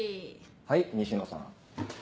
はい西野さん。